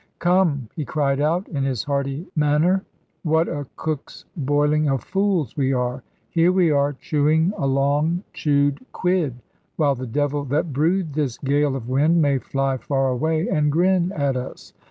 "Come," he cried out, in his hearty manner, "what a cook's boiling of fools we are! Here we are chewing a long chewed quid, while the devil that brewed this gale of wind may fly far away, and grin at us.